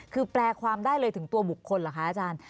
คือแปลความได้เลยถึงตัวบุคคลเหรอคะอาจารย์